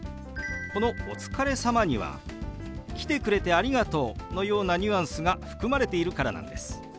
この「お疲れ様」には「来てくれてありがとう」のようなニュアンスが含まれているからなんです。